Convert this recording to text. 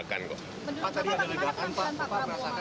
tadi ada legakan pak prabowo